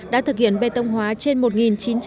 đã thực hiện bê tông hóa trên một chín trăm linh km đường